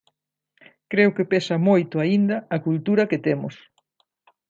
Creo que pesa moito aínda a cultura que temos.